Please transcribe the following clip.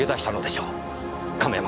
亀山